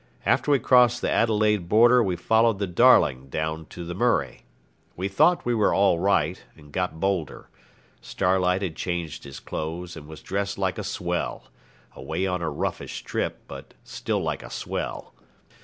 After we crossed the Adelaide border we followed the Darling down to the Murray. We thought we were all right, and got bolder. Starlight had changed his clothes, and was dressed like a swell away on a roughish trip, but still like a swell.